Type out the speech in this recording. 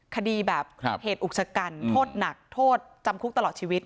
คดีแบบเหตุอุกชะกันโทษหนักโทษจำคุกตลอดชีวิต